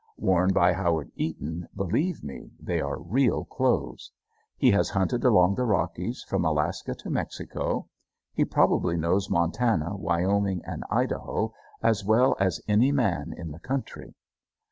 Worn by Howard Eaton, believe me, they are real clothes. He has hunted along the Rockies from Alaska to Mexico. He probably knows Montana, Wyoming, and Idaho as well as any man in the country.